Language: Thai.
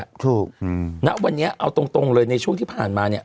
ถูกณวันนี้เอาตรงเลยในช่วงที่ผ่านมาเนี่ย